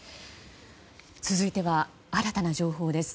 続いては、新たな情報です。